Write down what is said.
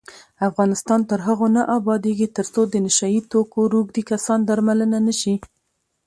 افغانستان تر هغو نه ابادیږي، ترڅو د نشه یي توکو روږدي کسان درملنه نشي.